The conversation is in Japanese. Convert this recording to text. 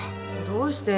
どうして？